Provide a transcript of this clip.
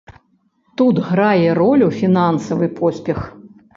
Тут грае ролю фінансавы поспех.